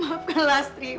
maafkan lastri ibu